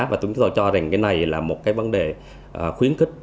và chúng tôi cho rằng cái này là một cái vấn đề khuyến khích